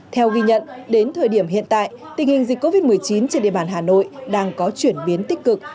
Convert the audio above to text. theo ghi nhận đến thời điểm hiện tại tình hình dịch covid một mươi chín trên địa bàn hà nội đang có chuyển biến tích cực